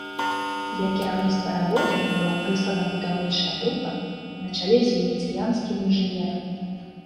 Для кіраўніцтва работамі была прыслана будаўнічая група на чале з венецыянскім інжынерам.